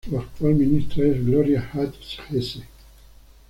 Su actual ministra es Gloria Hutt Hesse.